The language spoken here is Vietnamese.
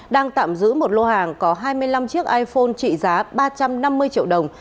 đang tạm giữ một lô hàng có hai mươi năm chiếc iphone trị giá ba trăm năm mươi triệu đồng